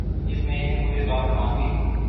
اس میں انہیں کوئی رکاوٹ نہ ہوئی۔